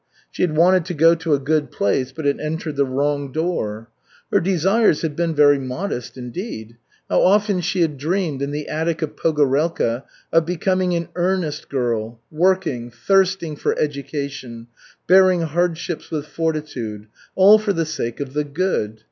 She had wanted to go to a good place but had entered the wrong door. Her desires had been very modest, indeed. How often she had dreamed, in the attic of Pogorelka, of becoming an earnest girl, working, thirsting for education, bearing hardships with fortitude, all for the sake of the good.